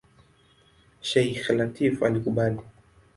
Sheikh Lateef alikubali.